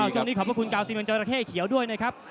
ช่วงนี้ขอบพระคุณกาวซีเมียงจราเข้เขียวด้วยนะครับ